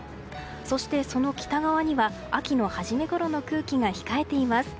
そして、その北側には秋の初めごろの空気が控えています。